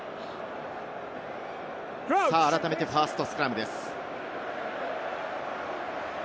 改めてファーストスクラムです。